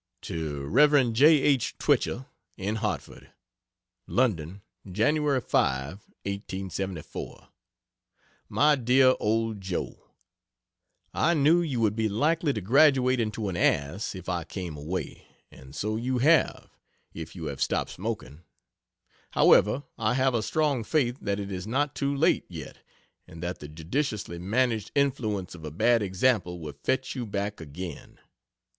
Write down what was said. To Rev. J. H. Twichell, in Hartford: LONDON, Jan. 5 1874. MY DEAR OLD JOE, I knew you would be likely to graduate into an ass if I came away; and so you have if you have stopped smoking. However, I have a strong faith that it is not too late, yet, and that the judiciously managed influence of a bad example will fetch you back again.